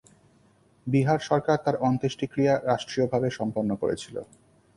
বিহার সরকার তার অন্ত্যেষ্টিক্রিয়া রাষ্ট্রীয়ভাবে সম্পন্ন করেছিল।